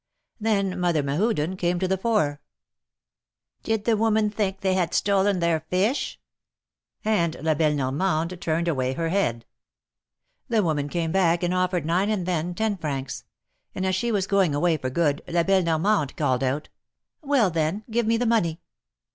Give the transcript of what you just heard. Then Mother Mehuden came to the fore. "Did the 146 THE MARKETS OF PARIS. woman think they had stolen their fish ?" And La belle Normande turned away her head. The woman came back, and oifered nine and then ten francs ; and as she was going away for good, the belle Normande called out : Well ! then, give me the money."